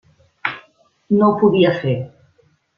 No ho podia fer.